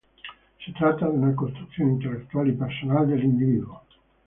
Se trata de una construcción intelectual y personal del individuo.